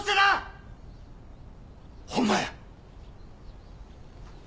ホンマや！